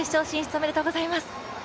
おめでとうございます。